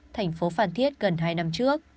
thành phố phan thiết gần hai năm trước